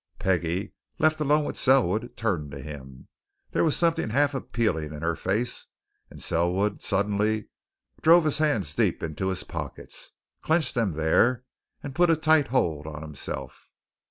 Peggie, left alone with Selwood, turned to him. There was something half appealing in her face, and Selwood suddenly drove his hands deep into his pockets, clenched them there, and put a tight hold on himself.